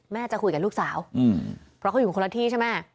จะคุยกับลูกสาวเพราะเขาอยู่คนละที่ใช่ไหม